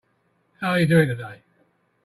How are you doing today?